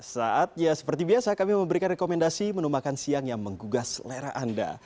saat ya seperti biasa kami memberikan rekomendasi menu makan siang yang menggugah selera anda